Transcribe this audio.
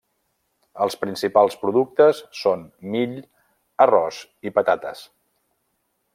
Els principals productes són mill, arròs i patates.